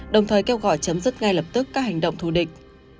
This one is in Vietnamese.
đồng thời kêu gọi chấm dứt ngay lập tức các hành động thù địch